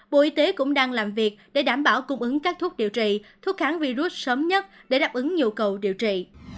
bộ y tế cũng đang làm việc để đảm bảo cung ứng các thuốc điều trị thuốc kháng virus sớm nhất để đáp ứng nhu cầu điều trị